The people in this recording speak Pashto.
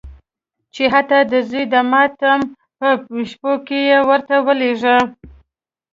چې حتی د زوی د ماتم په شپو کې یې ورته رالېږل.